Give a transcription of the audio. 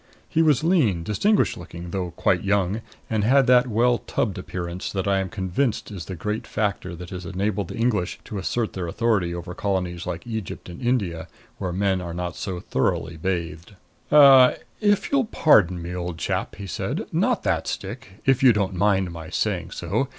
He was lean, distinguished looking, though quite young, and had that well tubbed appearance which I am convinced is the great factor that has enabled the English to assert their authority over colonies like Egypt and India, where men are not so thoroughly bathed. "Er if you'll pardon me, old chap," he said. "Not that stick if you don't mind my saying so.